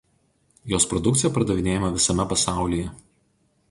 Jos produkcija pardavinėjama visame pasaulyje.